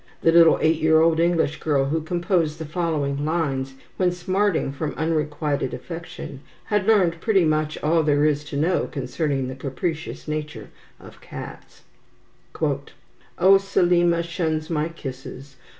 The little eight year old English girl who composed the following lines, when smarting from unrequited affection, had learned pretty much all there is to know concerning the capricious nature of cats: "Oh, Selima shuns my kisses!